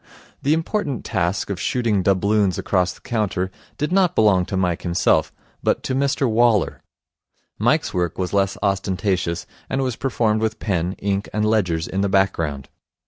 The important task of shooting doubloons across the counter did not belong to Mike himself, but to Mr Waller. Mike's work was less ostentatious, and was performed with pen, ink, and ledgers in the background.